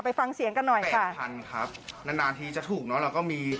ไปฟังเสียงกันหน่อยแปดพันครับนานนานทีจะถูกเนอะเราก็มี